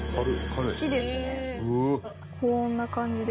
こんな感じで。